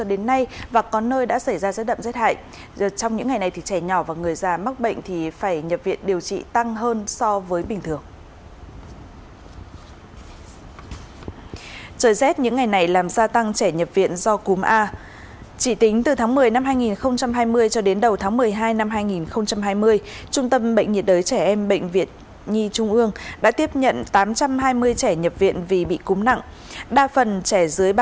đến nay và có nơi đã xảy ra rất đậm rất hại